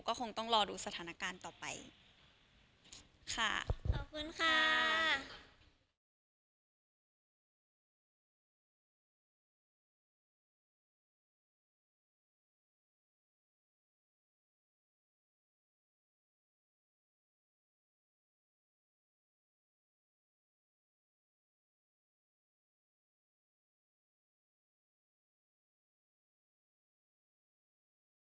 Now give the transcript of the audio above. ก็คงต้องรอดูสถานการณ์ต่อไปค่ะขอบคุณค่ะ